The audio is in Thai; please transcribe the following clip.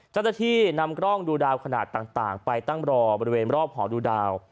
จัดที่นำกล้องดูดาวขนาดต่างไปตั้งรอบรอบหอดูดาว